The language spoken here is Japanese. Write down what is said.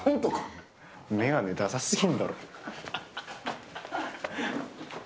眼鏡ダサすぎんだろ！